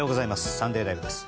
「サンデーＬＩＶＥ！！」です。